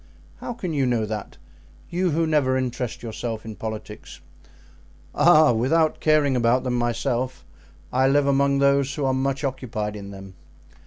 "How can you know that? You who never interest yourself in politics?" "Ah! without caring about them myself, I live among those who are much occupied in them.